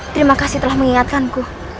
terima kasih telah mengingatkanku